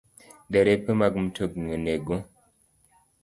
Derepe mag mtokni onego